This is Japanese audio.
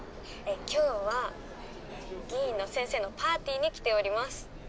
「今日は議員の先生のパーティーに来ております」